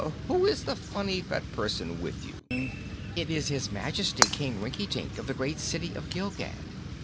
Who is the funny fat person with you?" "It is His Majesty, King Rinkitink, of the great City of Gilgad.